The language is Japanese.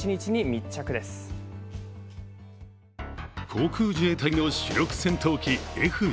航空自衛隊の主力戦闘機Ｆ１５。